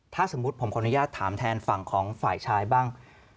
ถ้าสมมุติผมขออนุญาตถามแทนฝั่งของฝ่ายชายบ้าง